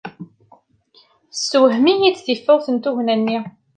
Tessewhem-iyi tifawt n tugna-nni.